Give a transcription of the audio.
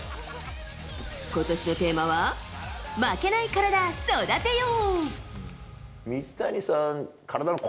今年のテーマは「負けないカラダ、育てよう」。